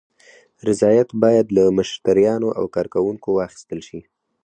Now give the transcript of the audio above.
رضایت باید له مشتریانو او کارکوونکو واخیستل شي.